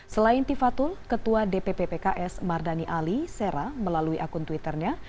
selain tifatul ketua dpp pks mardani ali sera melalui akun twitternya